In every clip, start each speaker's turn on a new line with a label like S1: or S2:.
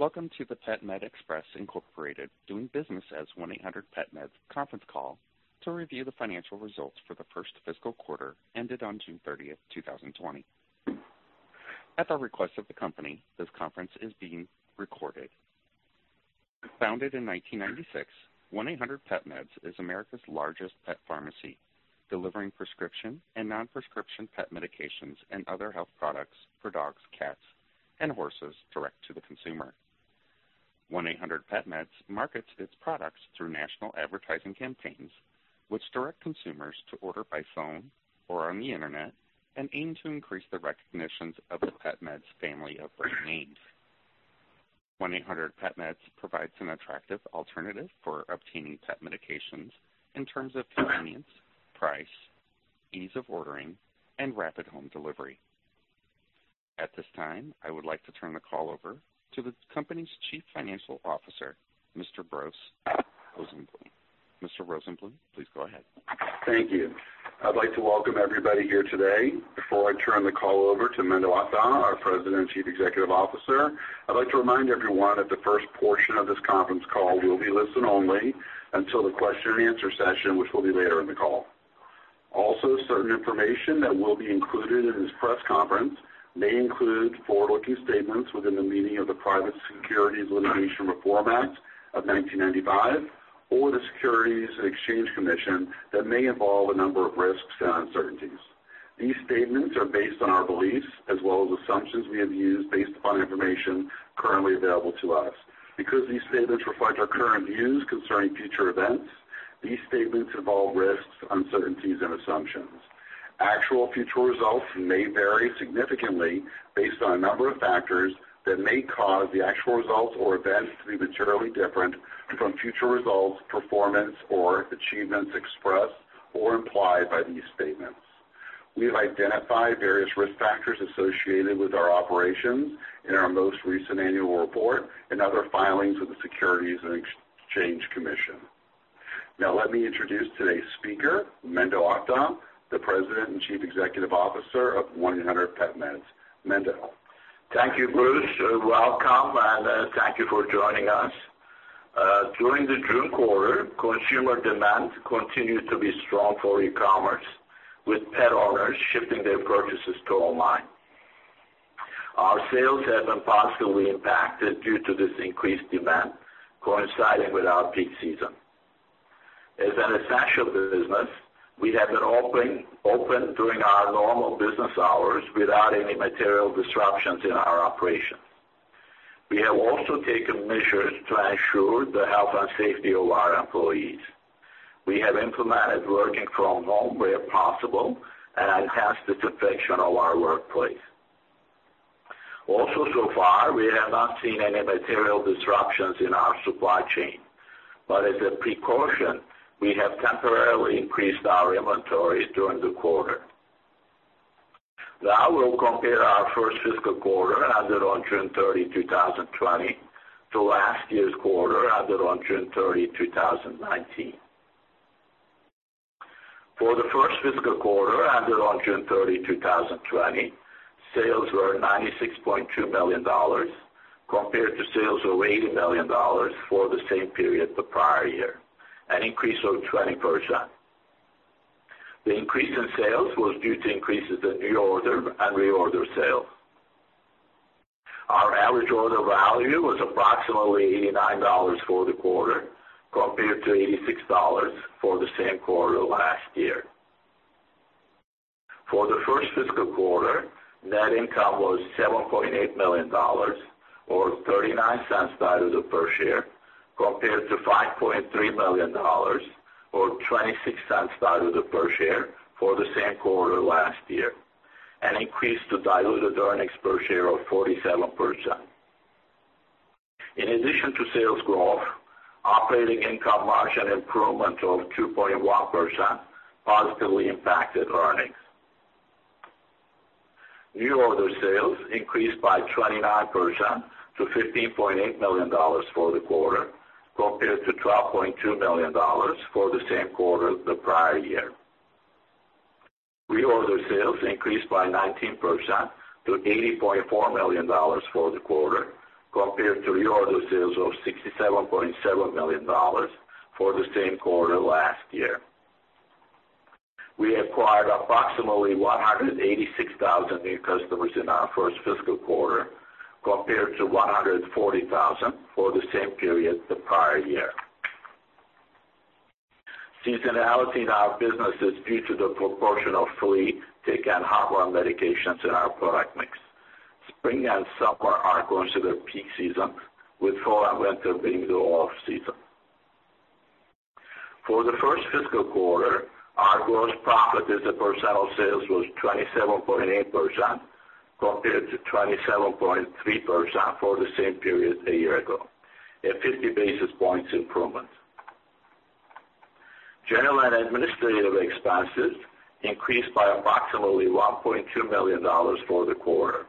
S1: Welcome to the PetMed Express Incorporated, doing business as 1-800-PetMeds conference call to review the financial results for the first fiscal quarter ended on June 30, 2020. At the request of the company, this conference is being recorded. Founded in 1996, 1-800-PetMeds is America's largest pet pharmacy, delivering prescription and non-prescription pet medications and other health products for dogs, cats, and horses direct to the consumer. 1-800-PetMeds markets its products through national advertising campaigns, which direct consumers to order by phone or on the Internet, and aim to increase the recognition of the PetMeds family of brand names. 1-800-PetMeds provides an attractive alternative for obtaining pet medications in terms of convenience, price, ease of ordering, and rapid home delivery. At this time, I would like to turn the call over to the company's Chief Financial Officer, Mr. Bruce Rosenbloom. Mr. Rosenbloom, please go ahead.
S2: Thank you. I'd like to welcome everybody here today. Before I turn the call over to Menderes Akdag, our President and Chief Executive Officer, I'd like to remind everyone that the first portion of this conference call will be listen only until the question and answer session, which will be later in the call. Certain information that will be included in this press conference may include forward-looking statements within the meaning of the Private Securities Litigation Reform Act of 1995 or the Securities and Exchange Commission that may involve a number of risks and uncertainties. These statements are based on our beliefs as well as assumptions we have used based upon information currently available to us. Because these statements reflect our current views concerning future events, these statements involve risks, uncertainties, and assumptions. Actual future results may vary significantly based on a number of factors that may cause the actual results or events to be materially different from future results, performance or achievements expressed or implied by these statements. We have identified various risk factors associated with our operations in our most recent annual report and other filings with the Securities and Exchange Commission. Let me introduce today's speaker, Menderes Akdag, the President and Chief Executive Officer of 1-800-PetMeds. Mendel.
S3: Thank you, Bruce. Welcome, and thank you for joining us. During the June quarter, consumer demand continued to be strong for e-commerce, with pet owners shifting their purchases to online. Our sales have been positively impacted due to this increased demand coinciding with our peak season. As an essential business, we have been open during our normal business hours without any material disruptions in our operations. We have also taken measures to ensure the health and safety of our employees. We have implemented working from home where possible and enhanced disinfection of our workplace. So far, we have not seen any material disruptions in our supply chain. As a precaution, we have temporarily increased our inventory during the quarter. Now we'll compare our first fiscal quarter ended on June 30, 2020 to last year's quarter ended on June 30, 2019. For the first fiscal quarter ended on June 30, 2020, sales were $96.2 million compared to sales of $80 million for the same period the prior year, an increase of 20%. The increase in sales was due to increases in new order and reorder sales. Our average order value was approximately $89 for the quarter, compared to $86 for the same quarter last year. For the first fiscal quarter, net income was $7.8 million, or $0.39 diluted per share, compared to $5.3 million or $0.26 diluted per share for the same quarter last year, an increase to diluted earnings per share of 47%. In addition to sales growth, operating income margin improvement of 2.1% positively impacted earnings. New order sales increased by 29% to $15.8 million for the quarter, compared to $12.2 million for the same quarter the prior year. Reorder sales increased by 19% to $80.4 million for the quarter, compared to reorder sales of $67.7 million for the same quarter last year. We acquired approximately 186,000 new customers in our first fiscal quarter, compared to 140,000 for the same period the prior year. Seasonality in our business is due to the proportion of flea, tick, and heartworm medications in our product mix. Spring and summer are considered peak season, with fall and winter being the off-season. For the first fiscal quarter, our gross profit as a percent of sales was 27.8%, compared to 27.3% for the same period a year ago, a 50 basis points improvement. General and administrative expenses increased by approximately $1.2 million for the quarter.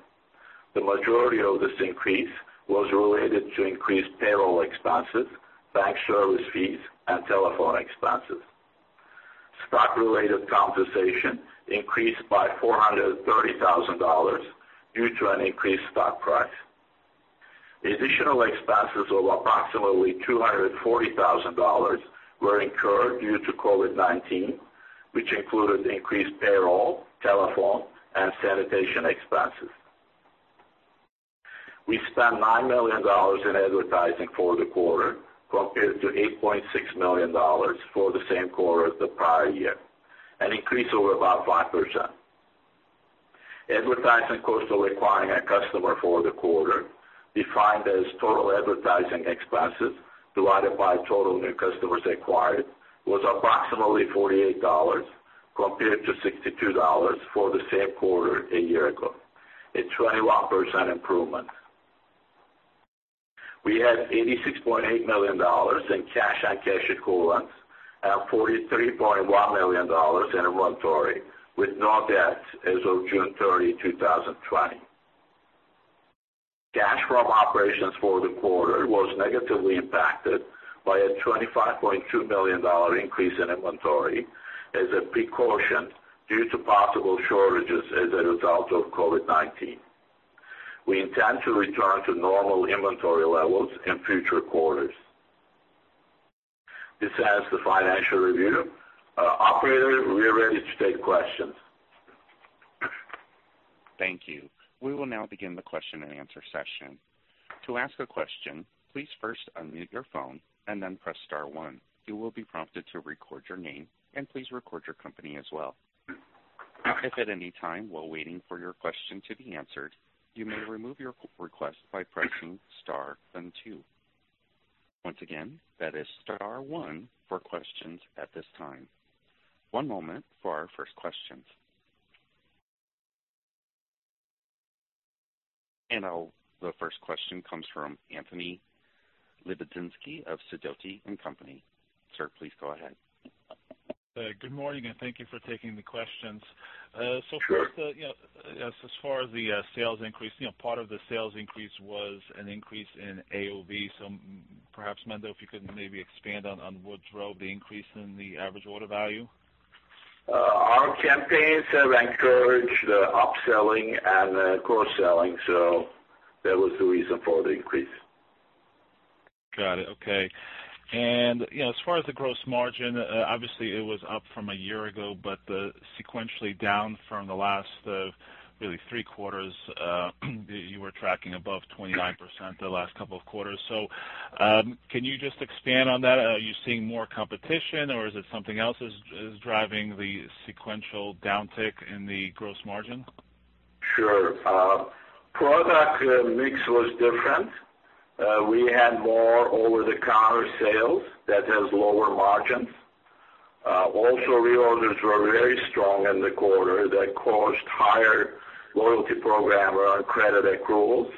S3: The majority of this increase was related to increased payroll expenses, bank service fees, and telephone expenses. Stock-related compensation increased by $430,000 due to an increased stock price. Additional expenses of approximately $240,000 were incurred due to COVID-19, which included increased payroll, telephone, and sanitation expenses. We spent $9 million in advertising for the quarter, compared to $8.6 million for the same quarter the prior year, an increase of about 5%. Advertising cost of acquiring a customer for the quarter, defined as total advertising expenses divided by total new customers acquired, was approximately $48, compared to $62 for the same quarter a year ago, a 21% improvement. We had $86.8 million in cash and cash equivalents and $43.1 million in inventory with no debt as of June 30, 2020. Cash from operations for the quarter was negatively impacted by a $25.2 million increase in inventory as a precaution due to possible shortages as a result of COVID-19. We intend to return to normal inventory levels in future quarters. This ends the financial review. Operator, we are ready to take questions.
S1: Thank you. We will now begin the question and answer session. To ask a question, please first unmute your phone and then press star one. You will be prompted to record your name, and please record your company as well. If at any time while waiting for your question to be answered, you may remove your request by pressing star then two. Once again, that is star one for questions at this time. One moment for our first questions. The first question comes from Anthony Lebiedzinski of Sidoti & Company. Sir, please go ahead.
S4: Good morning, thank you for taking the questions.
S3: Sure.
S4: First, as far as the sales increase, part of the sales increase was an increase in AOV. Perhaps, Mendo, if you could maybe expand on what drove the increase in the average order value.
S3: Our campaigns have encouraged the upselling and the cross-selling, that was the reason for the increase.
S4: Got it. Okay. As far as the gross margin, obviously, it was up from a year ago, but sequentially down from the last, really, 3 quarters. You were tracking above 29% the last couple of quarters. Can you just expand on that? Are you seeing more competition, or is it something else is driving the sequential downtick in the gross margin?
S3: Sure. Product mix was different. We had more over-the-counter sales that has lower margins. Also, reorders were very strong in the quarter that caused higher loyalty program credit accruals,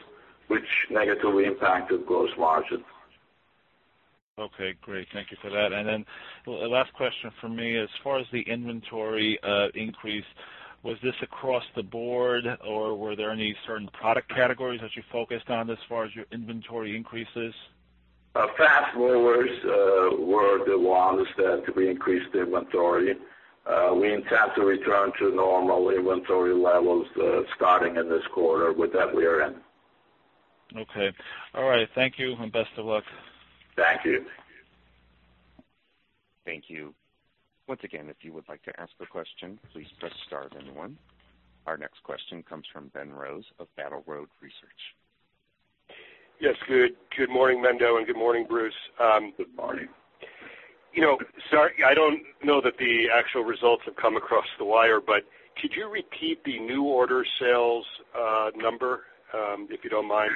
S3: which negatively impacted gross margins.
S4: Okay, great. Thank you for that. Last question from me. As far as the inventory increase, was this across the board, or were there any certain product categories that you focused on as far as your inventory increases?
S3: Fast movers were the ones that we increased the inventory. We intend to return to normal inventory levels starting in this quarter with that we are in.
S4: Okay. All right. Thank you, and best of luck.
S3: Thank you.
S1: Thank you. Once again, if you would like to ask a question, please press star then one. Our next question comes from Ben Rose of Battle Road Research.
S5: Yes. Good morning, Mendo, and good morning, Bruce.
S3: Good morning.
S5: Sorry, I don't know that the actual results have come across the wire, could you repeat the new order sales number, if you don't mind?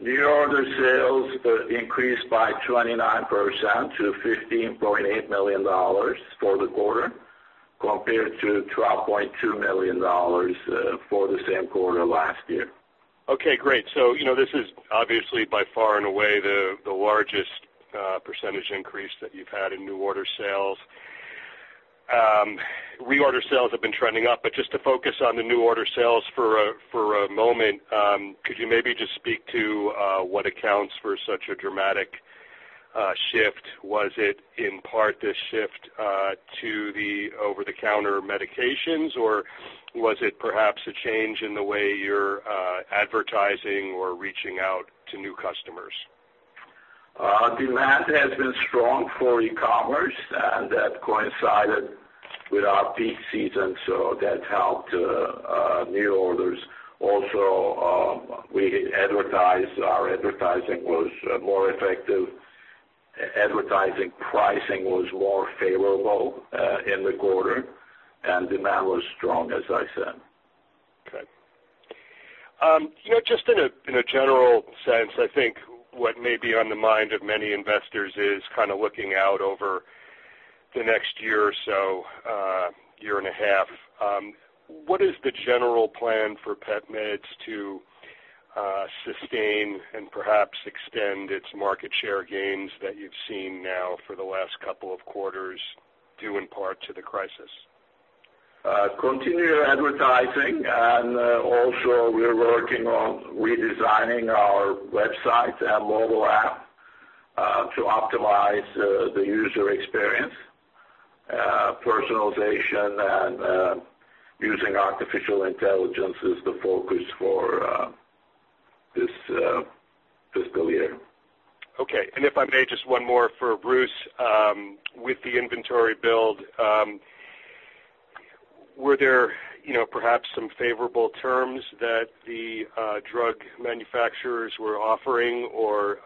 S3: New order sales increased by 29% to $15.8 million for the quarter, compared to $12.2 million for the same quarter last year.
S5: Great. This is obviously by far and away the largest % increase that you've had in new order sales. Reorder sales have been trending up, just to focus on the new order sales for a moment, could you maybe just speak to what accounts for such a dramatic shift? Was it in part the shift to the over-the-counter medications, or was it perhaps a change in the way you're advertising or reaching out to new customers?
S3: Demand has been strong for e-commerce, that coincided with our peak season, so that helped new orders. We advertised. Our advertising was more effective. Advertising pricing was more favorable in the quarter, demand was strong, as I said.
S5: Okay. Just in a general sense, I think what may be on the mind of many investors is kind of looking out over the next year or so, year and a half. What is the general plan for PetMeds to sustain and perhaps extend its market share gains that you've seen now for the last couple of quarters, due in part to the crisis?
S3: Continue advertising, also we're working on redesigning our website and mobile app to optimize the user experience. Personalization and using artificial intelligence is the focus for this fiscal year.
S5: Okay. If I may, just one more for Bruce. With the inventory build, were there perhaps some favorable terms that the drug manufacturers were offering, or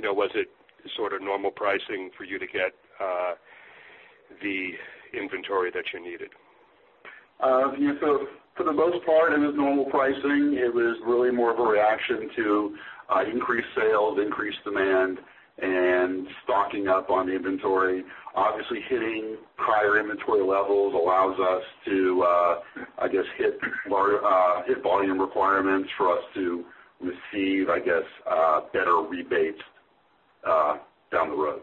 S5: was it sort of normal pricing for you to get the inventory that you needed?
S2: Yeah. For the most part, it was normal pricing. It was really more of a reaction to increased sales, increased demand, and stocking up on the inventory. Obviously, hitting prior inventory levels allows us to, I guess, hit volume requirements for us to receive better rebates down the road.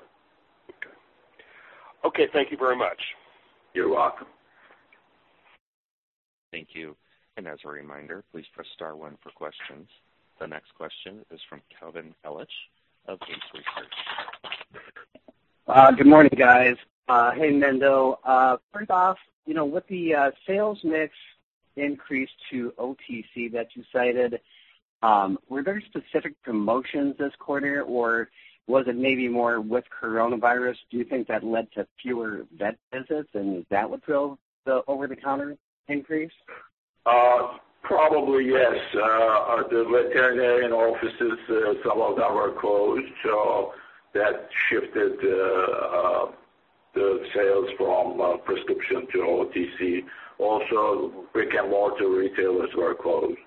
S5: Okay. Thank you very much.
S2: You're welcome.
S1: Thank you. As a reminder, please press star one for questions. The next question is from Calvin Ellich of Vince Research.
S6: Good morning, guys. Hey, Menderes. First off, with the sales mix increase to OTC that you cited, were there specific promotions this quarter, or was it maybe more with coronavirus? Do you think that led to fewer vet visits, that would drive the over-the-counter increase?
S3: Probably, yes. The veterinarian offices, some of them were closed, so that shifted the sales from prescription to OTC. Brick-and-mortar retailers were closed.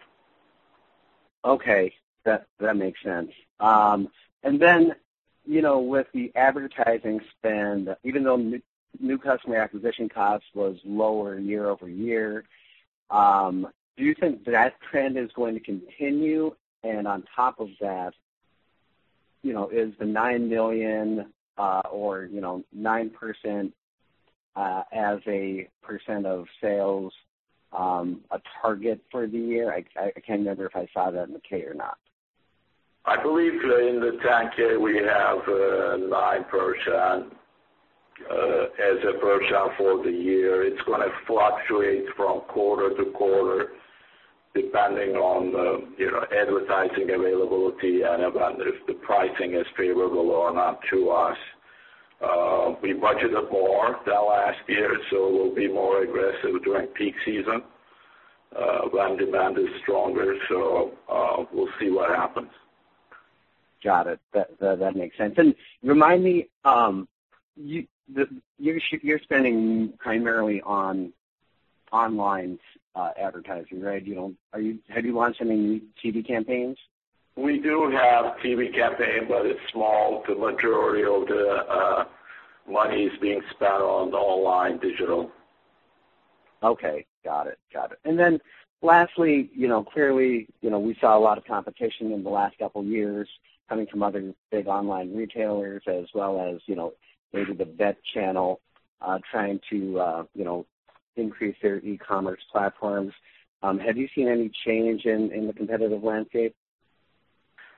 S6: Okay. That makes sense. Then, with the advertising spend, even though new customer acquisition cost was lower year-over-year, do you think that trend is going to continue? On top of that, is the $9 million, or 9% as a percent of sales, a target for the year? I can't remember if I saw that in the K or not.
S3: I believe in the 10-K we have 9% as a percent for the year. It's going to fluctuate from quarter-to-quarter depending on advertising availability and if the pricing is favorable or not to us. We budgeted more than last year, so we'll be more aggressive during peak season when demand is stronger. We'll see what happens.
S6: Got it. That makes sense. Remind me, you're spending primarily on online advertising, right? Have you launched any TV campaigns?
S3: We do have TV campaign, it's small. The majority of the money is being spent on the online digital.
S6: Okay. Got it. Lastly, clearly, we saw a lot of competition in the last couple of years coming from other big online retailers as well as maybe the vet channel, trying to increase their e-commerce platforms. Have you seen any change in the competitive landscape?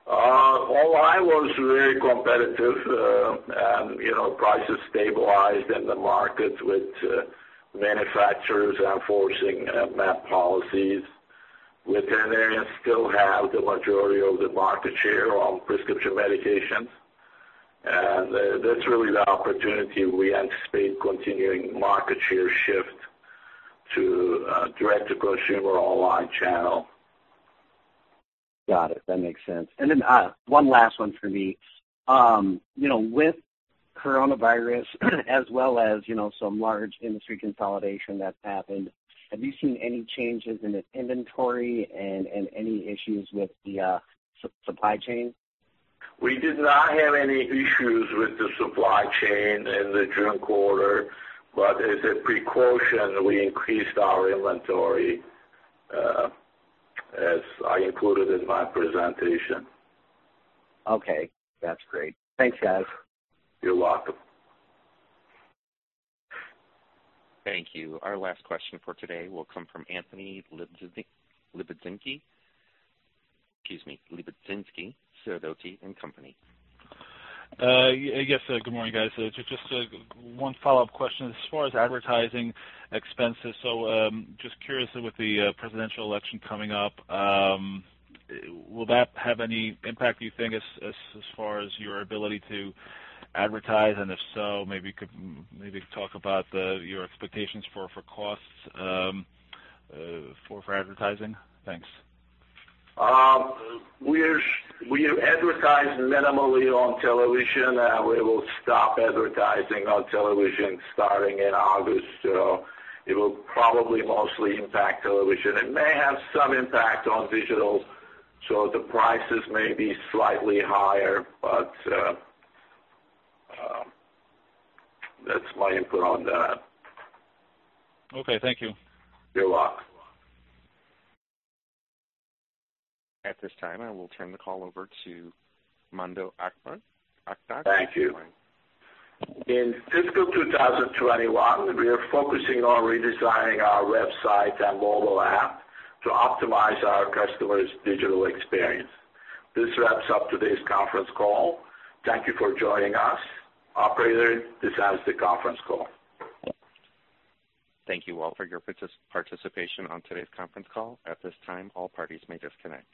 S3: Online was very competitive, prices stabilized in the market with manufacturers enforcing MAP policies. Veterinarians still have the majority of the market share on prescription medications, that's really the opportunity we anticipate continuing market share shift to direct-to-consumer online channel.
S6: Got it. That makes sense. One last one for me. With coronavirus as well as some large industry consolidation that's happened, have you seen any changes in the inventory and any issues with the supply chain?
S3: We did not have any issues with the supply chain in the June quarter, but as a precaution, we increased our inventory, as I included in my presentation.
S6: Okay, that's great. Thanks, guys.
S3: You're welcome.
S1: Thank you. Our last question for today will come from Anthony Lebiedzinski. Excuse me, Lebiedzinski, Sidoti & Company.
S4: Yes. Good morning, guys. Just one follow-up question. As far as advertising expenses, just curious with the presidential election coming up, will that have any impact, you think, as far as your ability to advertise? If so, maybe you could talk about your expectations for costs for advertising. Thanks.
S3: We advertise minimally on television. We will stop advertising on television starting in August. It will probably mostly impact television. It may have some impact on digital, the prices may be slightly higher. That's my input on that.
S4: Okay, thank you.
S3: You're welcome.
S1: At this time, I will turn the call over to Menderes Akdag.
S3: Thank you. In fiscal 2021, we are focusing on redesigning our website and mobile app to optimize our customers' digital experience. This wraps up today's conference call. Thank you for joining us. Operator, this ends the conference call.
S1: Thank you all for your participation on today's conference call. At this time, all parties may disconnect.